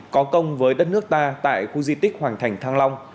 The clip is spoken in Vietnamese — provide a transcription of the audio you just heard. có công với đất nước ta tại khu di tích hoàng thành thăng long